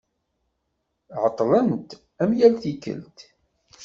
Ԑeṭṭlent, am yal tikelt.